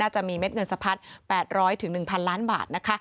จะมีเม็ดเงินสะพัด๘๐๐๑๐๐ล้านบาทนะคะ